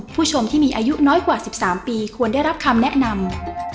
ผู้ชมที่มีอายุน้อยกว่า๑๓ปีควรได้รับคำแนะนำ